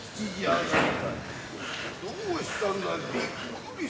どうしたんだい。